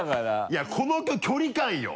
いやこの距離感よ！